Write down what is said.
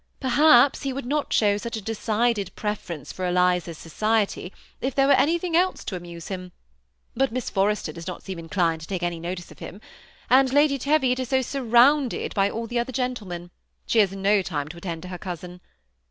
Perhaps he would not show such a decided preference for Eliza's society if there were anything else to amuse him ; but Miss Forrester does not seem inclined to take any notice of him ; and Lady Teviot is so surrounded by all the other gentlemen, she has no time to attend to her cousin.